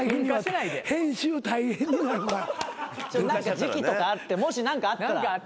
時期とかあってもし何かあったら。